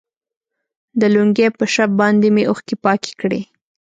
د لونګۍ په شف باندې مې اوښكې پاكې كړي.